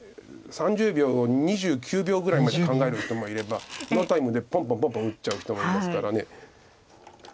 ３０秒を２９秒ぐらいまで考える人もいればノータイムでぽんぽんぽんぽん打っちゃう人もいますから。